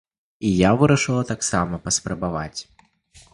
І я вырашыла таксама паспрабаваць.